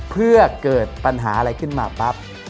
เพื่อเกิดปัญหาอะไรขึ้นมาปั๊บ